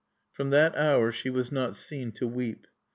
III From that hour she was not seen to weep.